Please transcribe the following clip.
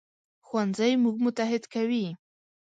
ښوونځی موږ متحد کوي